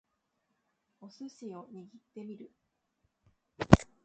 お寿司を握ってみる